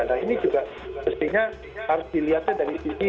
nah ini juga pastinya harus dilihatnya dari sisi seperti itu